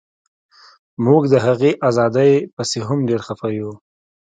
موږ د هغې ازادۍ پسې هم ډیر خفه یو